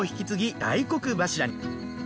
大黒柱に。